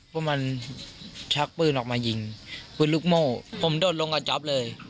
พวกมันชักปืนออกมายิงปืนลูกโม่ผมโดดลงกับจ๊อปเลย